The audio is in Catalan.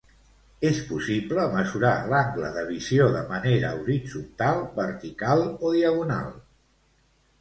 És possible mesurar l'angle de visió de manera horitzontal, vertical o diagonal.